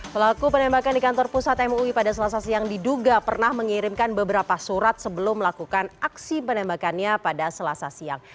pelaku penembakan di kantor pusat mui pada selasa siang diduga pernah mengirimkan beberapa surat sebelum melakukan aksi penembakannya pada selasa siang